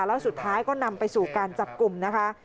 แล้วสุดท้ายก็นำไปสู่การจับกลุ่มนะคะ